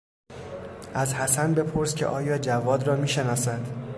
از حسن بپرس که آیا جواد را میشناسد.